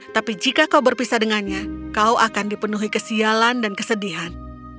tapi jika kau berpisah dengannya kau akan dipenuhi kesialan dan kesedihan